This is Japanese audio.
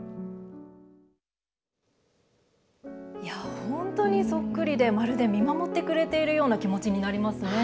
本当にそっくりでまるで見守ってくれているような気持ちになりますね。